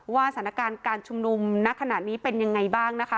สถานการณ์การชุมนุมณขณะนี้เป็นยังไงบ้างนะคะ